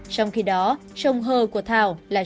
trong khi đó trông hờ của thảo là trung thân